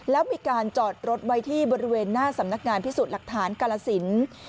แล้วมีการจอดรถไว้ที่บริเวณหน้าสำนักงานพิสูจน์หลักฐานกาลสิน